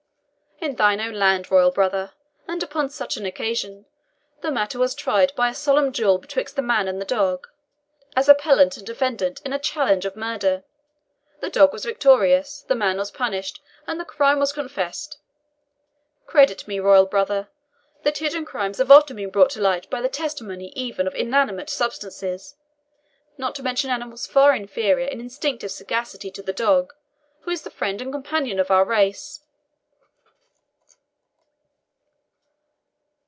In thine own land, royal brother, and upon such an occasion, the matter was tried by a solemn duel betwixt the man and the dog, as appellant and defendant in a challenge of murder. The dog was victorious, the man was punished, and the crime was confessed. Credit me, royal brother, that hidden crimes have often been brought to light by the testimony even of inanimate substances, not to mention animals far inferior in instinctive sagacity to the dog, who is the friend and companion of our race."